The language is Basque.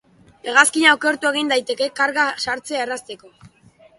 Hegazkina okertu egin daiteke karga sartzea errazteko.